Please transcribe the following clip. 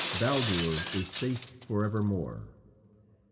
Baldur is safe for evermore."